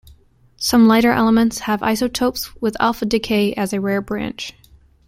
Some lighter elements have isotopes with alpha decay as a rare branch.